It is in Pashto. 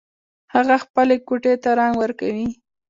هغه خپلې کوټۍ ته رنګ ورکوي